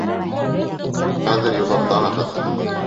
Хәҙер юғалтаһығыҙ!